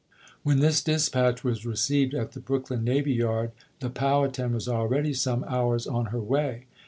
When this dispatch was received at the Brooklyn navy yard the Poivhatan was already some hours on her way.